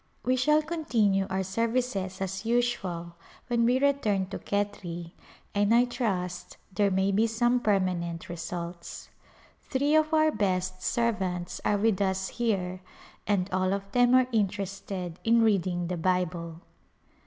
We shall continue our services as usual when we return to Khetri and I trust there may be some per manent results. Three of our best servants are with us here and all of them are interested in reading the Bible.